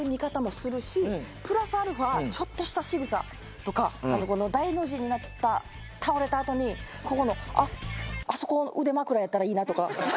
プラスアルファちょっとしたしぐさとかあと大の字になった倒れたあとにここのあっあそこ腕枕やったらいいなとか。